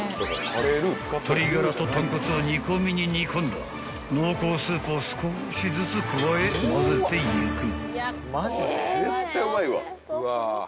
［鶏がらと豚骨を煮込みに煮込んだ濃厚スープを少しずつ加え混ぜていく］